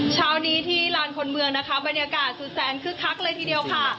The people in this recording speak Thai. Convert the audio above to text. เช้านี้ที่ลานคนเมืองนะคะบรรยากาศสุดแสนคึกคักเลยทีเดียวค่ะ